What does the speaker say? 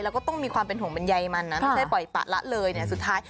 แล้วก็ต้องมีความเป็นห่วงบรรยายมันนะไม่ใช่ปล่อยปะละเลยเนี่ยสุดท้าย